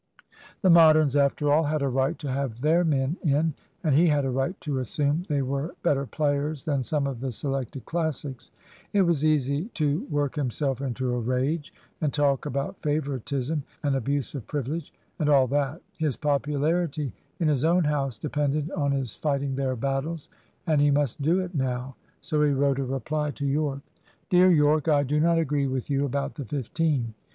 The Moderns, after all, had a right to have their men in; and he had a right to assume they were better players than some of the selected Classics. It was easy to work himself into a rage, and talk about favouritism, and abuse of privilege, and all that. His popularity in his own house depended on his fighting their battles, and he must do it now. So he wrote a reply to Yorke. "Dear Yorke, I do not agree with you about the fifteen.